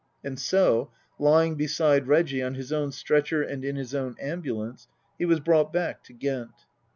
And so, lying beside Reggie, on his own stretcher and in his own ambulance, he was brought back to Ghent.